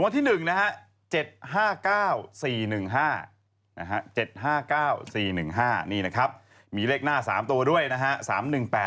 ๓ตัวเนี่ยก็คือ๗๒๓